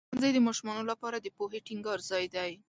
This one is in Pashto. ښوونځی د ماشومانو لپاره د پوهې ټینګار ځای دی.